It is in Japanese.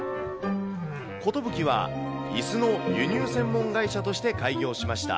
コトブキは、いすの輸入専門会社として開業しました。